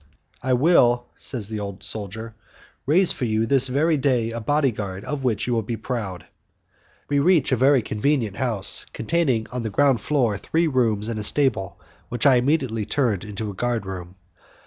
"I will," says the old soldier, "raise for you this very day a body guard of which you will be proud." We reach a very convenient house, containing on the ground floor three rooms and a stable, which I immediately turned into a guard room.